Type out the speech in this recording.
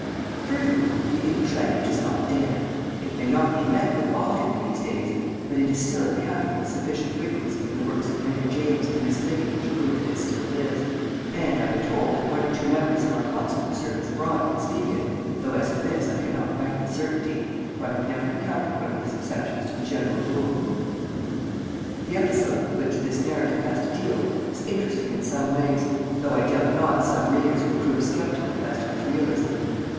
Furthermore, the English language is not dead. It may not be met with often in these days, but it is still encountered with sufficient frequency in the works of Henry James and Miss Libby to prove that it still lives; and I am told that one or two members of our consular service abroad can speak it though as for this I cannot write with certainty, for I have never encountered one of these exceptions to the general rule. [Illustration: "IT IS NOT OFTEN THAT ONE'S LITERARY CHICKENS COME HOME TO ROOST"] The episode with which this narrative has to deal is interesting in some ways, though I doubt not some readers will prove sceptical as to its realism.